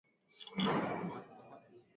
Kioo cha watoto.